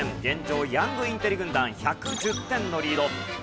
現状ヤングインテリ軍団１１０点のリード。